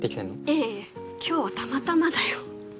いやいや今日はたまたまだよ。